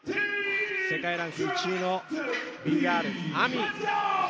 世界ランク１位のＢ−ＧＩＲＬ、ＡＭＩ。